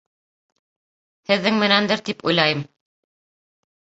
Һеҙҙең менәндер, тип уйлайым.